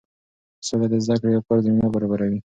سوله د زده کړې او کار زمینه برابروي.